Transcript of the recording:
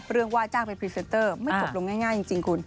ว่าจ้างเป็นพรีเซนเตอร์ไม่จบลงง่ายจริงคุณ